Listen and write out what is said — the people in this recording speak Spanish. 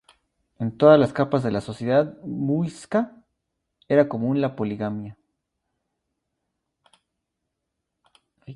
En todas las capas de la sociedad muisca era común la poligamia.